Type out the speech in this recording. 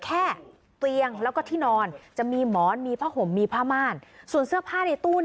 ไม่อยากให้แม่เป็นอะไรไปแล้วนอนร้องไห้แท่ทุกคืน